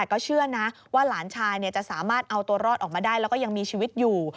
ก็เชื่อนะว่าหลานชายจะสามารถเอาตัวรอดออกมาได้แล้วก็ยังมีชีวิตอยู่